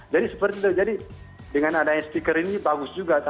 jadi seperti itu dengan adanya stiker ini bagus juga